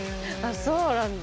そうなんだ。